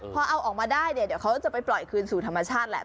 พอเอาออกมาได้เนี่ยเดี๋ยวเขาจะไปปล่อยคืนสู่ธรรมชาติแหละ